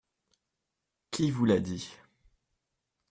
Qui vous l’a dit ?